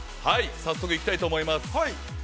はい、早速いきたいと思います。